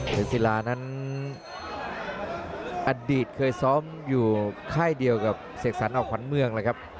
เป็นศิลานั้นอดีตเคยซ้อมอยู่ค่ายเดียวกับเสกสรรออกขวัญเมืองเลยครับ